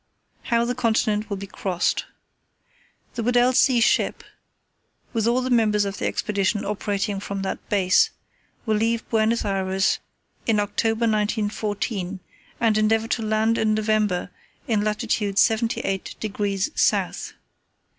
"How the Continent will be crossed. "The Weddell Sea ship, with all the members of the Expedition operating from that base, will leave Buenos Ayres in October 1914, and endeavour to land in November in latitude 78 degrees south.